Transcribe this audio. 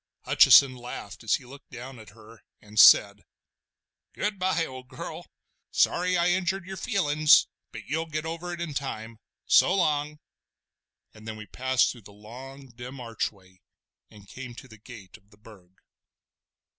Hutcheson laughed as he looked down at her, and said: "Goodbye, old girl. Sorry I injured your feelin's, but you'll get over it in time! So long!" And then we passed through the long, dim archway and came to the gate of the Burg.